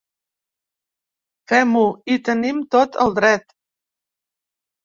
Fem-ho, hi tenim tot el dret.